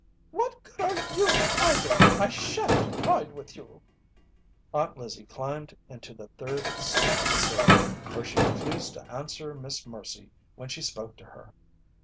"What good are you, either? I shan't ride with you." Aunt Lizzie climbed into the third seat of the surrey, where she refused to answer Miss Mercy when she spoke to her.